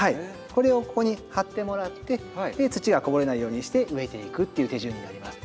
これをここに貼ってもらって土がこぼれないようにして植えていくっていう手順になります。